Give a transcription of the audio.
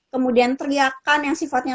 kemudian teriakan yang sifatnya